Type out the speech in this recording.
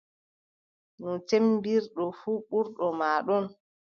No cemmbiɗɗo fuu, ɓurɗo ma ɗon.